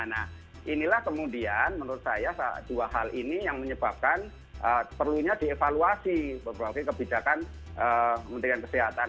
nah inilah kemudian menurut saya dua hal ini yang menyebabkan perlunya dievaluasi beberapa kebijakan menterian kesehatan